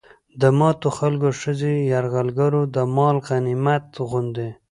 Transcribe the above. د ماتو خلکو ښځې يرغلګرو د مال غنميت غوندې